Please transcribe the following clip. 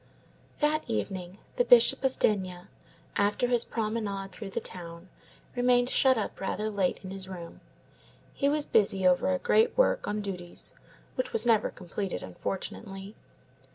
That evening, the Bishop of D——, after his promenade through the town, remained shut up rather late in his room. He was busy over a great work on Duties, which was never completed, unfortunately.